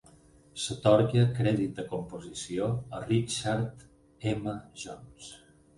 S'atorga crèdit de composició a Richard M. Jones.